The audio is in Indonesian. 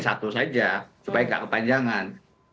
satu saja supaya nggak kepanjangan